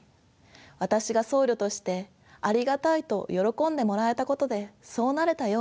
私が僧侶として「ありがたい」と喜んでもらえたことでそうなれたように。